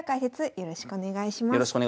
よろしくお願いします。